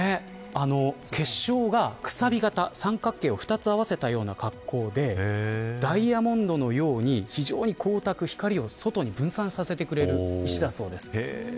結晶がくさび型三角形を２つ合わせたような格好でダイヤモンドのように非常に光沢光を外に分散させてくれる石だそうです。